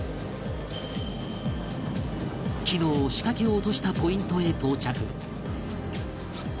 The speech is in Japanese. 昨日仕掛けを落としたポイントへ到着